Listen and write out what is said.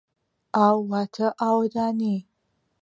ئاو واتە ئاوەدانی.